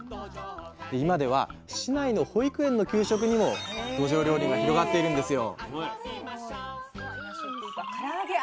今では市内の保育園の給食にもどじょう料理が広がっているんですよ